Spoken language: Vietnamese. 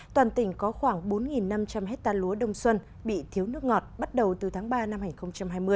toàn tỉnh có khoảng bốn năm trăm linh hectare lúa đông xuân bị thiếu nước ngọt bắt đầu từ tháng ba năm hai nghìn hai mươi